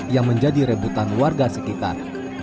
yang menjadi rebutan warga sekitar